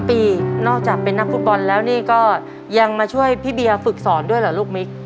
ปีนอกจากเป็นนักฟุตบอลแล้วนี่ก็ยังมาช่วยพี่เบียร์ฝึกสอนด้วยเหรอลูกมิก